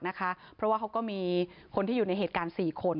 เพราะว่าเขาก็มีคนที่อยู่ในเหตุการณ์๔คน